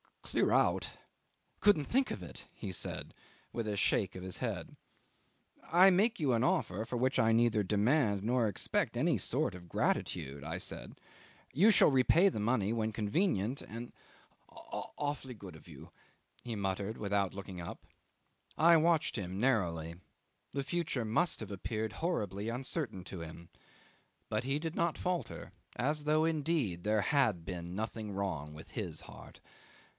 "Clear out! Couldn't think of it," he said, with a shake of the head. "I make you an offer for which I neither demand nor expect any sort of gratitude," I said; "you shall repay the money when convenient, and ..." "Awfully good of you," he muttered without looking up. I watched him narrowly: the future must have appeared horribly uncertain to him; but he did not falter, as though indeed there had been nothing wrong with his heart.